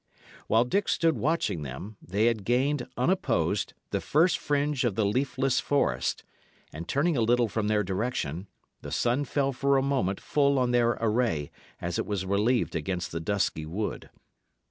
While Dick stood watching them, they had gained, unopposed, the first fringe of the leafless forest, and, turning a little from their direction, the sun fell for a moment full on their array, as it was relieved against the dusky wood.